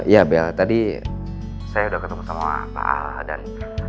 ya bel tadi saya sudah ketemu sama pak al dan